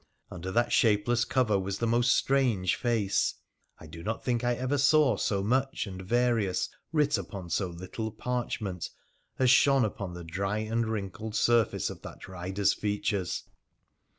Under that shapeless cover was a most strange face. I do not think I ever saw so much and various writ upon so little parch ment as shone upon the dry and wrinkled surface of that rider's features.